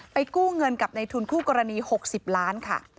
กู้เงินกับในทุนคู่กรณี๖๐ล้านค่ะ